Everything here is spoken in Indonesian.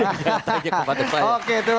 oke terima kasih